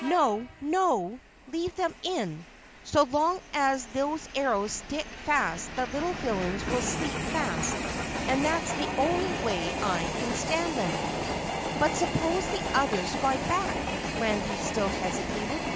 "No, NO! Leave them in! So long as those arrows stick fast the little villains will sleep fast and that's the only way I can stand 'em." "But suppose the others fly back?" Randy still hesitated.